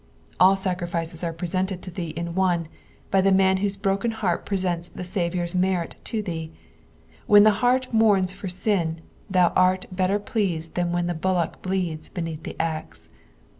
All sacrifices ate preEented to thee in one, bj the mau whose broken heart presents the Saviour's merit to thee.' When the heart mourns for sin, thou art better pleased than when the bullock bleeds beneath the axe.